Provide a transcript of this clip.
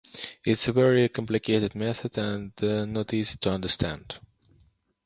It is a very complicated method and not easy to understand.